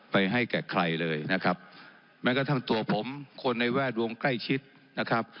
ให้แก่ใครเลยนะครับแม้กระทั่งตัวผมคนในแวดวงใกล้ชิดนะครับ